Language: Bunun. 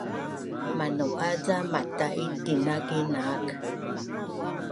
Manau’az ca mata’it tina kinaak